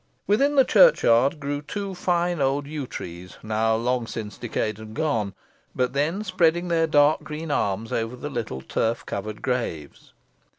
Within the churchyard grew two fine old yew trees, now long since decayed and gone, but then spreading their dark green arms over the little turf covered graves.